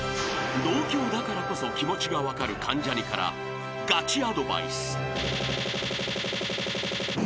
［同郷だからこそ気持ちが分かる関ジャニからガチアドバイス］